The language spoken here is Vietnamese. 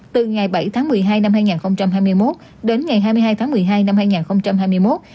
từ ngày bảy tháng một mươi hai năm hai nghìn hai mươi một đến ngày hai mươi hai tháng một mươi hai năm hai nghìn hai mươi một